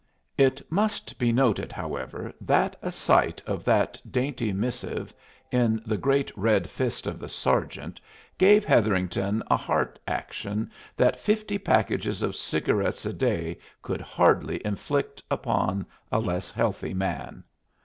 It must be noted, however, that a sight of that dainty missive in the great red fist of the sergeant gave Hetherington a heart action that fifty packages of cigarettes a day could hardly inflict upon a less healthy man.